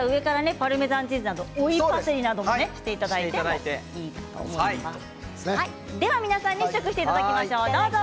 パルメザンチーズや追いパセリなどもしていただいてでは皆さんに試食していただきますどうぞ。